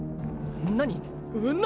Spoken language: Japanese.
何？